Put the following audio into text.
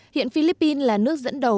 hiện philippines là nước dẫn đầu